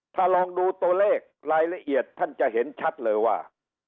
ถ้าลองดูตัวเลขรายละเอียดท่านจะเห็นชัดเลยว่า